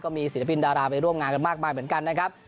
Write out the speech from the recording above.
มีศิลปินดาราไปร่วมงานกันมากมายเหมือนกันนะครับ